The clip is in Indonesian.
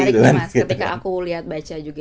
ini menarik ya mas ketika aku lihat baca juga